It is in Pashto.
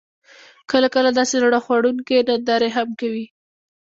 کله، کله داسې زړه خوړونکې نندارې هم کوي: